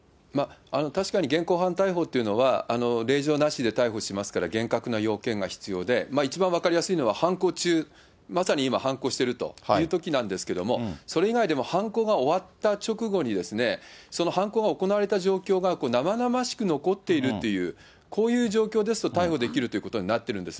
確かに現行犯逮捕っていうのは、令状なしで逮捕しますから、厳格な要件が必要で、一番分かりやすいのは、犯行中、まさに今、犯行しているというときなんですけども、それ以外でも、犯行が終わった直後に、その犯行が行われた状況が生々しく残っているという、こういう状況ですと逮捕できるということになってるんです。